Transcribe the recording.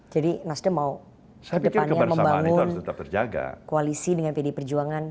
jadi nasdem mau ke depannya membangun koalisi dengan pdi perjuangan